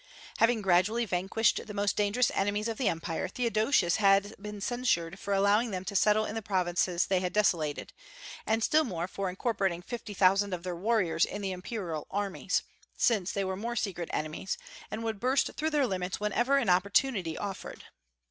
Having gradually vanquished the most dangerous enemies of the Empire, Theodosius has been censured for allowing them to settle in the provinces they had desolated, and still more for incorporating fifty thousand of their warriors in the imperial armies, since they were secret enemies, and would burst through their limits whenever an opportunity offered.